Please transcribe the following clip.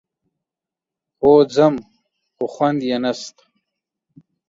هو ځم، خو خوند يې نشته.